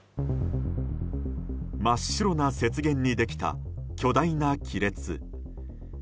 真っ白な雪原にできた巨大な亀裂。